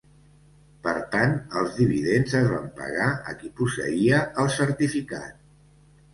Per tant, els dividends es van pagar a qui posseïa el certificat.